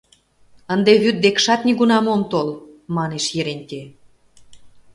— Ынде вӱд декшат нигунам ом тол, — манеш Еренте.